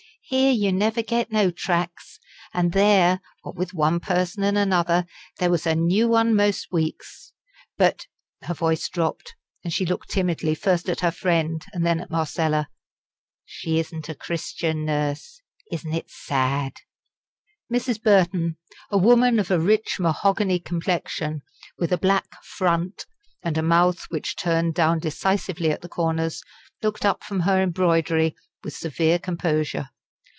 Here you never get no tracks; and there, what with one person and another, there was a new one most weeks. But" her voice dropped, and she looked timidly first at her friend, and then at Marcella "she isn't a Christian, Nurse. Isn't it sad?" Mrs. Burton, a woman of a rich mahogany complexion, with a black "front," and a mouth which turned down decisively at the corners, looked up from her embroidery with severe composure.